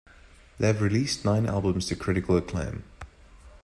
They have released nine albums to critical acclaim.